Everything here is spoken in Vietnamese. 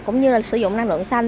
cũng như là sử dụng năng lượng xanh